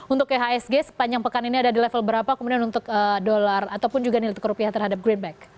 untuk ihsg sepanjang pekan ini ada di level berapa kemudian untuk dolar ataupun juga nilai tukar rupiah terhadap greenback